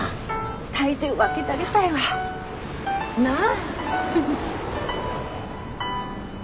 体重分けたげたいわ。なぁ？